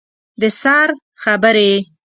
د سر خبرې